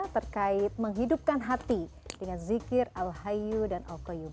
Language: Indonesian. terkait menghidupkan hati dengan zikir al hayu dan al qayub